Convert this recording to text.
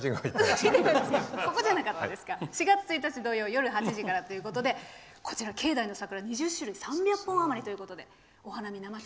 ４月１日土曜夜８時からということで境内の桜が２０種類３００本余りということで生中継。